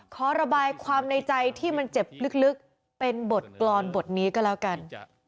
ขอระบายความในใจที่มันเจ็บลึกเป็นบทกรรมบทนี้ก็แล้วกัน